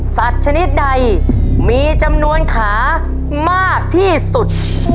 ชนิดใดมีจำนวนขามากที่สุด